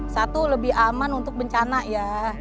satu lebih aman untuk bencana ya